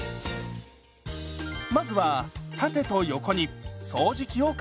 まずは縦と横に掃除機をかけます。